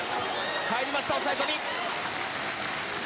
入りました、抑え込み。